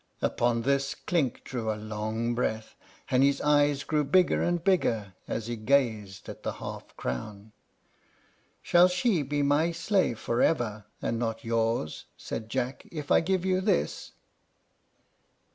Upon this Clink drew a long breath, and his eyes grew bigger and bigger as he gazed at the half crown. "Shall she be my slave forever, and not yours," said Jack, "if I give you this?"